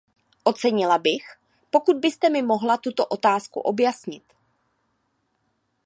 Ocenila bych, pokud byste mi mohla tuto otázku objasnit.